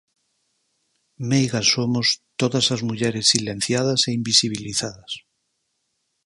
Meigas somos todas as mulleres silenciadas e invisibilizadas.